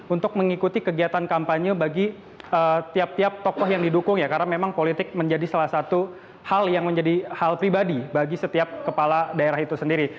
untuk mengikuti kegiatan kampanye bagi tiap tiap tokoh yang didukung ya karena memang politik menjadi salah satu hal yang menjadi hal pribadi bagi setiap kepala daerah itu sendiri